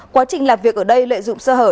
quá trình làm việc ở đây lợi dụng sơ hở